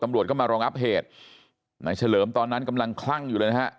ตำรวจก็มารองับเหตุนายเฉลิมตอนนั้นกำลังคลั่งอยู่เลยนะฮะ